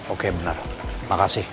oke benar makasih